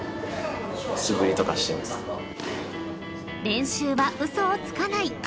［練習は嘘をつかない］